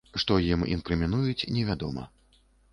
Што ім інкрымінуюць, невядома.